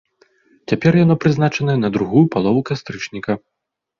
Цяпер яно прызначанае на другую палову кастрычніка.